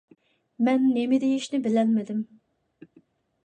مەن نېمە دېيىشنى بىلەلمىدىم.